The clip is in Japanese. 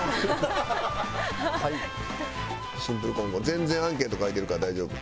全然アンケート書いてるから大丈夫。